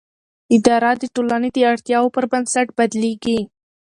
اداره د ټولنې د اړتیاوو پر بنسټ بدلېږي.